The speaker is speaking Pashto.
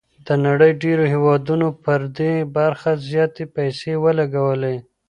د نړۍ ډېرو هېوادونو پر دې برخه زياتې پيسې ولګولې.